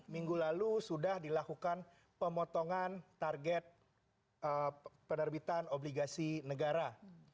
minggu lalu sudah dilakukan pemotongan target penerbitan obligasi negara